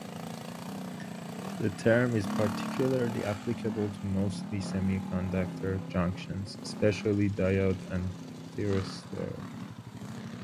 The term is particularly applicable to mostly semiconductor junctions, especially diode and thyristor.